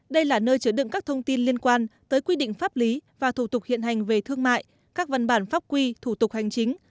đây là nơi chứa đựng các thông tin liên quan tới quy định pháp lý và thủ tục hiện hành về thương mại các văn bản pháp quy thủ tục hành chính